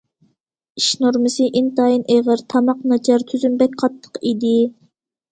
ئىش نورمىسى ئىنتايىن ئېغىر، تاماق ناچار، تۈزۈم بەك قاتتىق ئىدى.